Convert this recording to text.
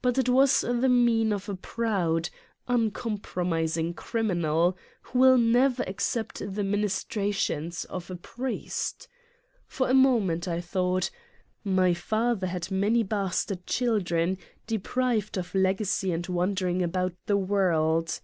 But it was the mien of a proud, uncompromising criminal, who will never accept the ministrations of a 42 Satan's Diary priest ! For a moment I thought : My Father had many bastard children, deprived of legacy and wandering about the world.